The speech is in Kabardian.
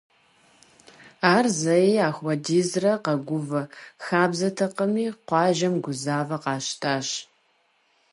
Ар зэи апхуэдизрэ къэгувэ хабзэтэкъыми, къуажэм гузавэ къащтащ.